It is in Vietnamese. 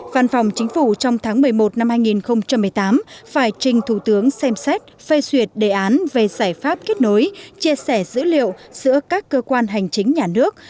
văn phòng chính phủ trong tháng một mươi một năm hai nghìn một mươi tám phải trình thủ tướng xem xét phê duyệt đề án về giải pháp kết nối chia sẻ dữ liệu giữa các cơ quan hành chính nhà nước